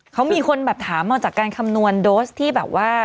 เขามีคนแบบถามมาจากการคำนวณโดสที่แบบว่า